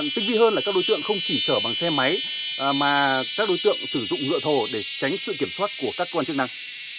tinh vi hơn là các đối tượng không chỉ chở bằng xe máy mà các đối tượng sử dụng lựa thồ để tránh sự kiểm soát của các quan chức năng